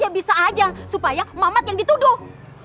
ya bisa aja supaya muhammad yang dituduh